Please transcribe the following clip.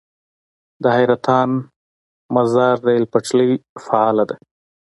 د حیرتان - مزار ریل پټلۍ فعاله ده؟